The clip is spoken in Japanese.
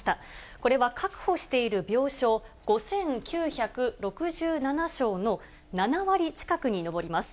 これは確保している病床５９６７床の７割近くに上ります。